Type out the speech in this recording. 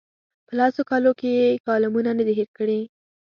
په لسو کالو کې یې کالمونه نه دي هېر کړي.